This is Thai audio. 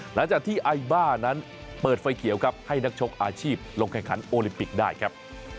หลังจากที่ไอบ้านั้นเปิดไฟเขียวครับให้นักชกอาชีพลงแข่งขันโอลิมปิกได้ครับ